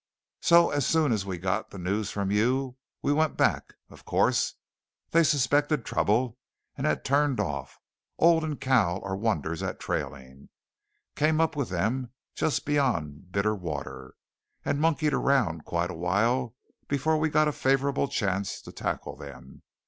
So as soon as we got the news from you, we went back, of course. They suspected trouble, and had turned off. Old and Cal are wonders at trailing. Came up with them just beyond Bitter Water, and monkeyed around quite a while before we got a favourable chance to tackle them.